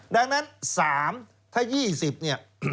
ดังนั้น๓ถ้า๒๐เนี่ย